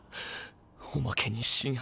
おまけにしん